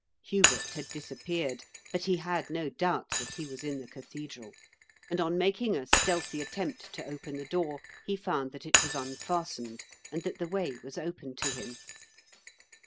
Hubert had disappeared, but he had no doubt that he was in the cathedral ; and on making a stealthy attempt to open the door, he found that it was unfastened, and that the way was open to him.